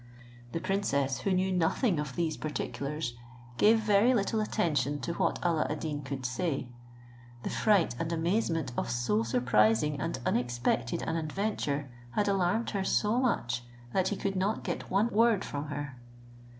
The princess, who knew nothing of these particulars, gave very little attention to what Alla ad Deen could say. The fright and amazement of so surprising and unexpected an adventure had alarmed her so much that he could not get one word from her.